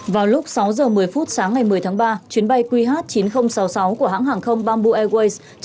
vào lúc sáu giờ một mươi phút sáng ngày một mươi tháng ba chuyến bay qh chín nghìn sáu mươi sáu của hãng hàng không bamboo airways